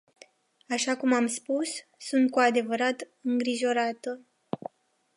Așa cum am spus, sunt cu adevărat îngrijorată.